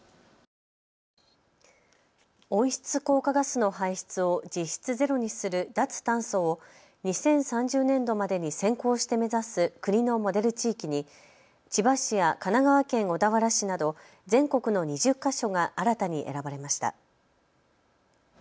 温室効果ガスの排出を実質ゼロにする脱炭素を２０３０年度までに先行して目指す国のモデル地域に千葉市や神奈川県小田原市など全国の２０か所が新たに選ばれました。